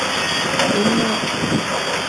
维尼奥。